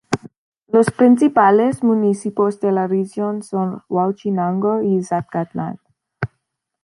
Los principales municipios de la región son Huauchinango y Zacatlán.